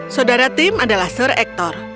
saudara tim adalah sur ektor